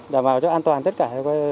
đảm bảo cho an toàn tất cả